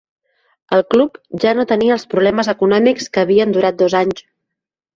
El club ja no tenia els problemes econòmics que havien durat dos anys.